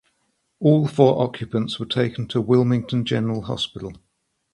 All four occupants were taken to Wilmington General Hospital.